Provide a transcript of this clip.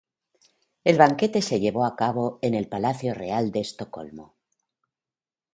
El banquete se llevó a cabo en el Palacio Real de Estocolmo.